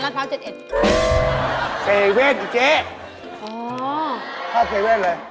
อ๋อถ้าเจ๊เว่นอะไร